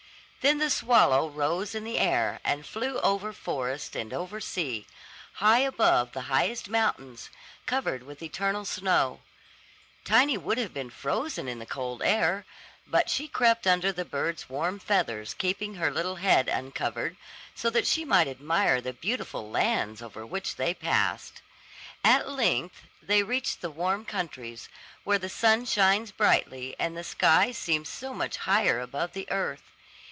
Then the swallow rose in the air, and flew over forest and over sea, high above the highest mountains, covered with eternal snow. Tiny would have been frozen in the cold air, but she crept under the bird's warm feathers, keeping her little head uncovered, so that she might admire the beautiful lands over which they passed. At length they reached the warm countries, where the sun shines brightly, and the sky seems so much higher above the earth.